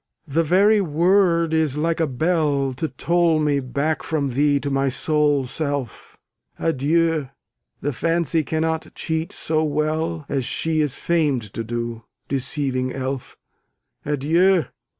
the very word is like a bell To toll me back from thee to my sole self! Adieu! the fancy cannot cheat so well As she is famed to do, deceiving elf. Adieu!